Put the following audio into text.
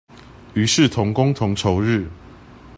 於是同工同酬日